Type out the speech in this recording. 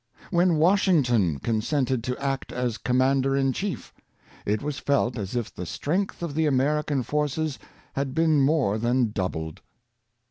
When Washington consented to act as commander in chief, it was felt as if the strength of the American forces had been more than doubled.